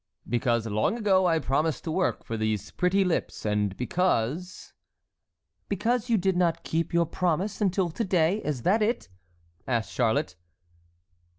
"Because long ago I promised to work for these pretty lips, and because"— "Because you did not keep your promise until to day; is that it?" asked Charlotte.